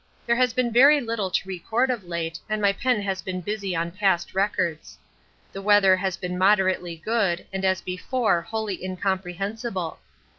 There has been very little to record of late and my pen has been busy on past records. The weather has been moderately good and as before wholly incomprehensible.